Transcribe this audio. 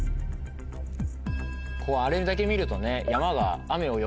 あれだけ見るとね。